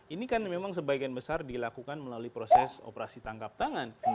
ini kan memang sebagian besar dilakukan melalui proses operasi tangkap tangan